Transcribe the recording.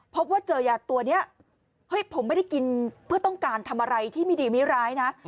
พบว่าเจอยาตัวนี้เฮ้ยผมไม่ได้กินเพื่อต้องการทำอะไรที่ไม่ดีไม่ร้ายนะ